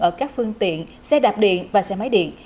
ở các phương tiện xe đạp điện và xe máy điện